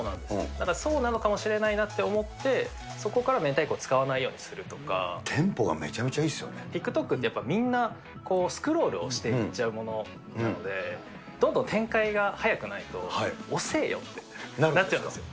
だからそうなのかもしれないなと思って、そこから明太子を使わないようにテンポがめちゃめちゃいいっＴｉｋＴｏｋって、みんなスクロールをしていっちゃうものなので、どんどん展開が早くないとおせーよってなっちゃうんですよ。